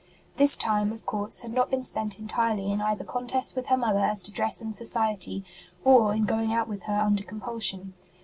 This time, of course, had not been spent entirely in either contests with her mother as to dress and society, or in going , 7 2 ST. ROSE OF LIMA out with her under compulsion.